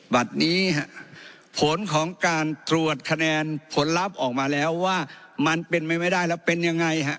บัตรนี้ฮะผลของการตรวจคะแนนผลลัพธ์ออกมาแล้วว่ามันเป็นไปไม่ได้แล้วเป็นยังไงฮะ